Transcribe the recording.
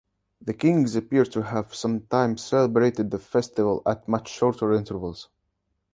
The kings appear to have sometimes celebrated the festival at much shorter intervals.